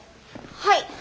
はい。